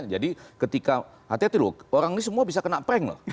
jadi ketika hati hati loh orang ini semua bisa kena prank loh